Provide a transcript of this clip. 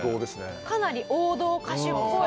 かなり王道歌手っぽい。